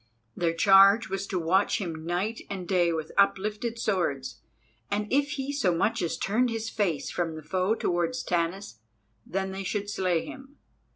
Their charge was to watch him night and day with uplifted swords, and if he so much as turned his face from the foe towards Tanis, then they should slay him.